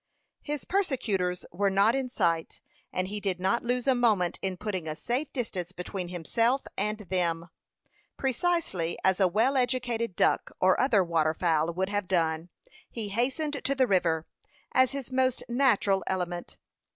His persecutors were not in sight, and he did not lose a moment in putting a safe distance between himself and them. Precisely as a well educated duck or other water fowl would have done, he hastened to the river, as his most natural element.